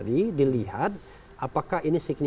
itu dia yang terotion